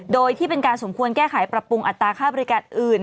โดยที่เป็นการสมควรแก้ไขปรับปรุงอัตราค่าบริการอื่น